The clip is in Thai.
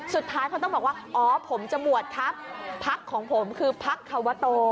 สุดท้ายเขาต้องบอกว่าอ๋อผมจะบวชครับพักของผมคือพักควโต